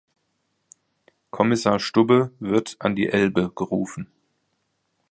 Kommissar Stubbe wird an die Elbe gerufen.